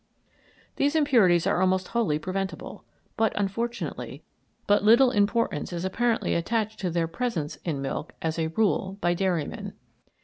These impurities are almost wholly preventable, but, unfortunately, but little importance is apparently attached to their presence in milk as a rule by dairymen.